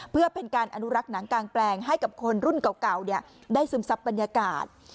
เพื่อเป็นการอนุรักษ์หนังกางแปลงให้กับคนรุ่นเก่าได้ซึมซับบรรยากาศ